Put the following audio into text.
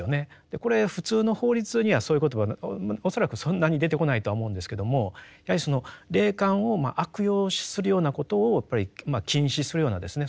これ普通の法律にはそういう言葉恐らくそんなに出てこないとは思うんですけどもやはりその霊感を悪用するようなことをやっぱり禁止するようなですね